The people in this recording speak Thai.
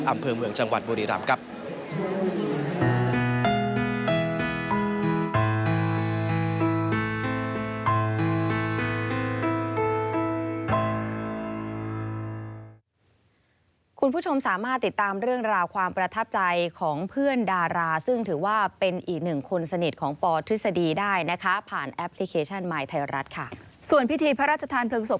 อำเภอเมืองจังหวัดบุรีรำครับ